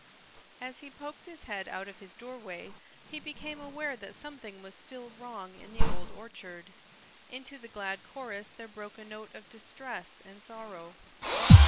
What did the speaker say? As he poked his head out of his doorway he became aware that something was still wrong in the Old Orchard. Into the glad chorus there broke a note of distress and sorrow.